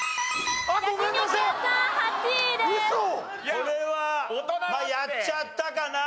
これはやっちゃったかな。